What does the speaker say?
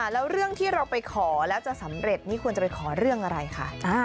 แล้วเรื่องที่เราไปขอแล้วจะสำเร็จนี่ควรจะไปขอเรื่องอะไรคะ